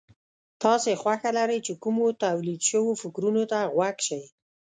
تاسې خوښه لرئ چې کومو توليد شوو فکرونو ته غوږ شئ.